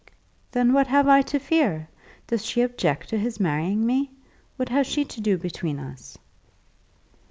"Then what have I to fear? Does she object to his marrying me? What has she to do between us?"